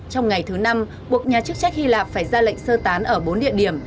trong ngày thứ năm buộc nhà chức trách hy lạp phải ra lệnh sơ tán ở bốn địa điểm